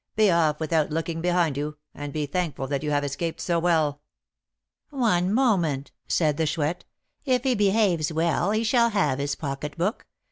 "Be off, without looking behind you, and be thankful that you have escaped so well." "One moment," said the Chouette; "if he behaves well, he shall have his pocketbook.